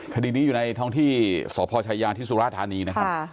คดีนี้อยู่ในท้องที่สพชายาที่สุราธานีนะครับ